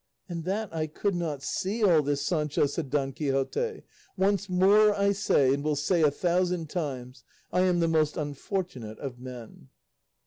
"And that I could not see all this, Sancho!" said Don Quixote; "once more I say, and will say a thousand times, I am the most unfortunate of men."